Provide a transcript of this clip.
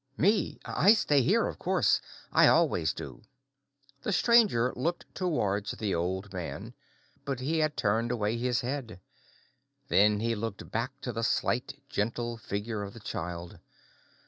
"Me! I stay here, of course. I always do." The stranger looked towards the old man, but he had turned away his head. Then he looked back to the slight, gentle figure of the child.